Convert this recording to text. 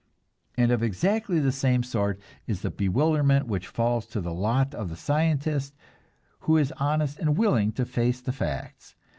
And of exactly the same sort is the bewilderment which falls to the lot of the scientist who is honest and willing to face the facts.